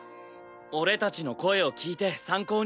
俺たちの声を聞いて参考にして。